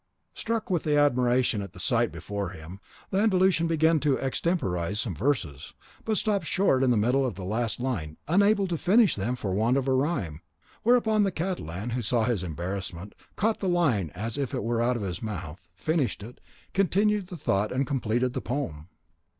Struck with admiration at the sight before him, the Andalusian began to extemporise some verses, but stopped short in the middle of the last line, unable to finish them for want of a rhyme; whereupon the Catalan, who saw his embarrassment, caught the line as it were out of his mouth, finished it, continued the thought, and completed the poem.